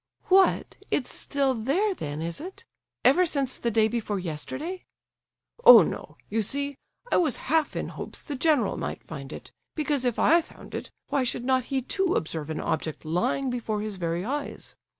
"What, it's still there then, is it? Ever since the day before yesterday?" "Oh no! You see, I was half in hopes the general might find it. Because if I found it, why should not he too observe an object lying before his very eyes?